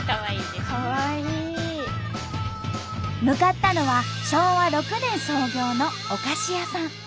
向かったのは昭和６年創業のお菓子屋さん。